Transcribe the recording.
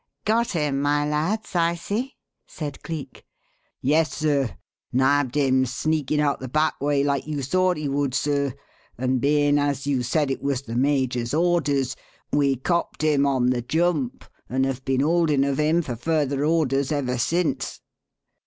"Got him, my lads, I see," said Cleek. "Yes, sir. Nabbed him sneakin' out the back way like you thought he would, sir, and bein' as you said it was the major's orders, we copped him on the jump and have been holdin' of him for further orders ever since."